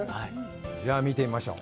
じゃあ見てみましょう。